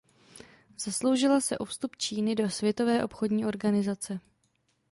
Zasloužila se o vstup Číny do Světové obchodní organizace.